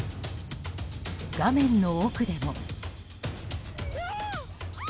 画面の奥でも。